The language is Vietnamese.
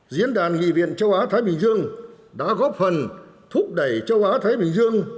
diễn đàn nghị viện châu á thái bình dương đã góp phần thúc đẩy châu á thái bình dương